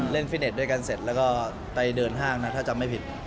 ฟิตเน็ตด้วยกันเสร็จแล้วก็ไปเดินห้างนะถ้าจำไม่ผิด